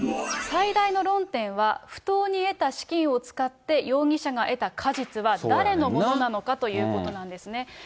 最大の論点は、不当に得た資金を使って容疑者が得た果実は誰のものなのかということなんですね。